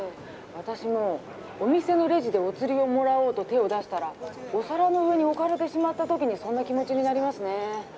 私もお店のレジでおつりをもらおうと手を出したらお皿の上に置かれてしまった時にそんな気持ちになりますね。